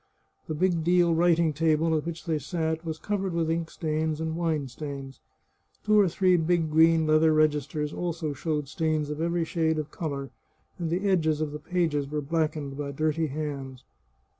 The big deal writing table at which they sat was covered with ink stains and wine stains. Two or three big green leather registers also showed stains of every shade of colour, and the edges of the pages were blackened by dirty hands.